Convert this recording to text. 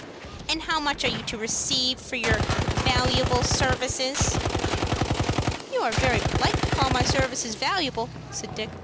And how much are you to receive for your valuable services?" "You are very polite to call my services valuable," said Dick.